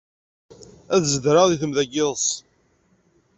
Ad zedreɣ deg temda n yiḍes.